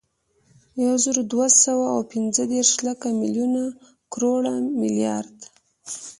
یوزرودوهسوه اوپنځهدېرش، لک، ملیون، کروړ، ملیارد